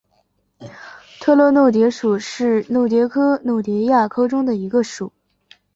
特乐弄蝶属是弄蝶科弄蝶亚科中的一个属。